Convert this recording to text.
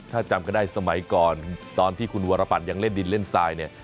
ถ้าจำกันได้สมัยก่อนตอนที่คุณวรปัตรยังเล่นดินเล่นทรายเนี่ย